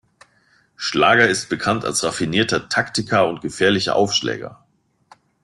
Schlager ist bekannt als raffinierter Taktiker und gefährlicher Aufschläger.